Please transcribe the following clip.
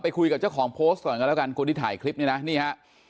คุยกับเจ้าของโพสต์ก่อนกันแล้วกันคนที่ถ่ายคลิปนี้นะนี่ฮะ